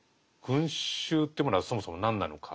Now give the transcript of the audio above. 群衆というものはそもそも何なのか？